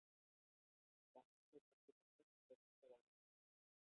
বিখ্যাত জার্মান হ্যান্ড-অ্যাটলেসগুলির অনলাইন সংরক্ষণাগার।